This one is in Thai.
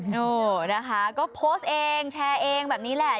โอ้นะคะก็โพสต์เองแชร์เองแบบนี้แหละ